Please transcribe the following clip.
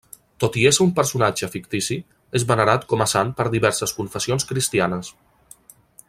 Tot i ésser un personatge fictici, és venerat com a sant per diverses confessions cristianes.